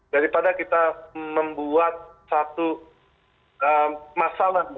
daripada kita membuat satu masalah